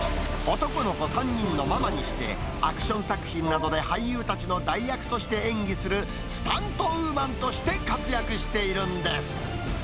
男の子３人のママにして、アクション作品などで俳優たちの代役として演技するスタントウーマンとして活躍しているんです。